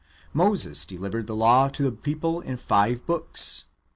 Moses delivered the law to the people in five books.